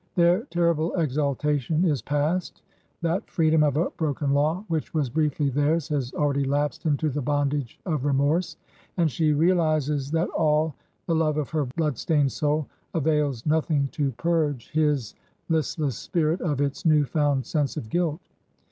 Their terrible exaltation is past, that "freedom of a broken law" which was briefly theirs has already lapsed into the bondage of remorse; and she realizes that all the love of her blood stained soul avails nothing to purge his listless spirit of its new found sense of guilt.